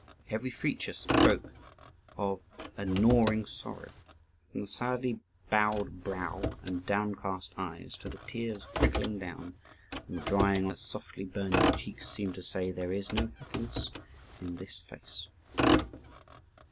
Every feature spoke of gnawing sorrow and, from the sadly bowed brow and downcast eyes to the tears trickling down and drying on her softly burning cheeks, seemed to say, "There is no happiness in this face."